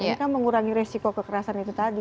ini kan mengurangi resiko kekerasan itu tadi